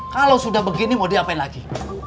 kalau sudah begini mau diapain lagi